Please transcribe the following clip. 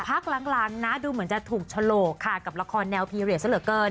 พักหลังนะดูเหมือนจะถูกฉลกค่ะกับละครแนวพีเรียสซะเหลือเกิน